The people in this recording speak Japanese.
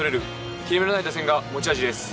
切れ目のない打線が持ち味です。